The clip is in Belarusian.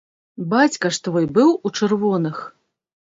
Бацька ж твой быў у чырвоных?!